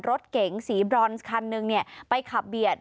รถเก๋งสีบรอนซ์คันหนึ่งไปขับเบียด